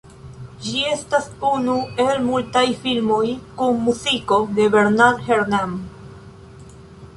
Ĝi estas unu el multaj filmoj kun muziko de Bernard Herrmann.